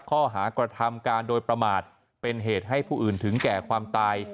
ข้อหากระทำการโดยประมาทเป็นเหตุให้ผู้อื่นถึงแก่ความตาย